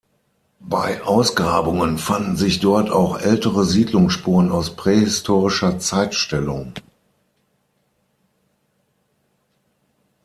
Bei Ausgrabungen fanden sich dort auch ältere Siedlungsspuren aus prähistorischer Zeitstellung.